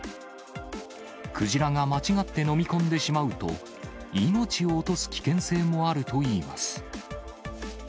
クジラが間違って飲み込んでしまうと、命を落とす危険性もあるといいます。